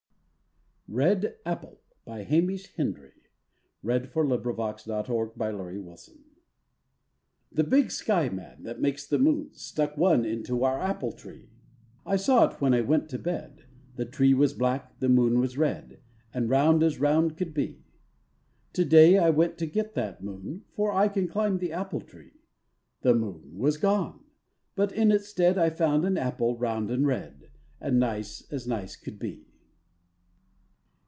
ame was John Chapman, but he was nicknamed Johnny Appleseed. RED APPLE The big Sky man that makes the Moons, Stuck one into our Apple tree; I saw it when I went to Bed; The Tree was black; the Moon was red, And round as round could be. To day I went to get that Moon, For I can climb the Apple tree; The Moon was gone. But in its stead I found an Apple round and red, And nice as nice could be.